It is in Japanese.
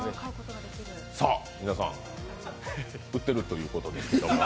皆さん、売っているということですけども。